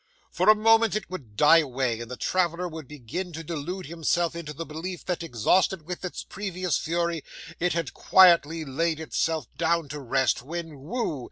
For a moment it would die away, and the traveller would begin to delude himself into the belief that, exhausted with its previous fury, it had quietly laid itself down to rest, when, whoo!